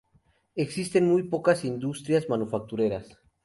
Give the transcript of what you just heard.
Existen muy pocas industrias manufactureras.